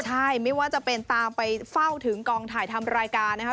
ใช่ไม่ว่าจะเป็นตามไปเฝ้าถึงกองถ่ายทำรายการนะครับ